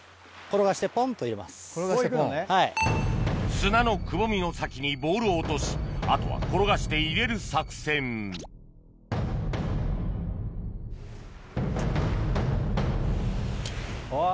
砂のくぼみの先にボールを落としあとは転がして入れる作戦あっ。